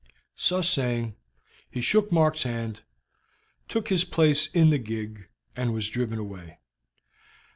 So saying, he shook Mark's hand, took his place in the gig, and was driven away.